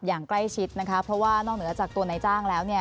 อย่างใกล้ชิดนะคะเพราะว่านอกเหนือจากตัวนายจ้างแล้ว